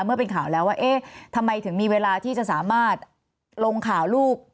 เมื่อเป็นข่าวแล้วว่าเอ๊ะทำไมถึงมีเวลาที่จะสามารถลงข่าวลูก